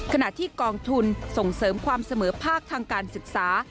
ขณะที่กองทุนส่งเสริมความเสมอภาคทางการศึกษา